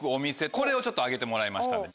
これをちょっと挙げてもらいましたんで。